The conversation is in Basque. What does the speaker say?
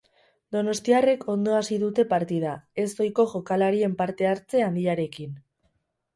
Donostiarrek ondo hasi dute partida, ez ohiko jokalarien parte hartze handiarekin.